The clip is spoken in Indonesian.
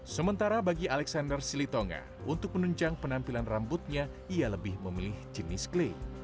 sementara bagi alexander silitonga untuk menunjang penampilan rambutnya ia lebih memilih jenis clay